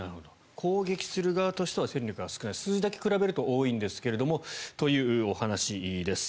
攻撃する側としては戦力は少ない数字だけ比べると多いんですけどというお話です。